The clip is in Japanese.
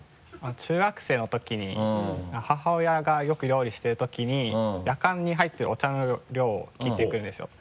中学生のときに母親がよく料理しているときにやかんに入ってるお茶の量を聞いてくるんですよ。